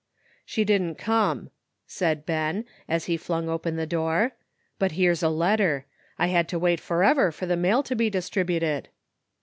"She didn't come," said Ben, as he flung open the door; " but here's a letter. I had to wait forever for the mail to be distributed."